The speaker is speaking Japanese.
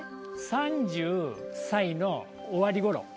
３０歳の終わりごろ？